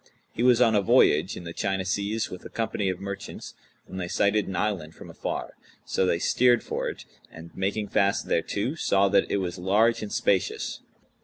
He was on a voyage in the China seas with a company of merchants, when they sighted an island from afar; so they steered for it and, making fast thereto, saw that it was large and spacious.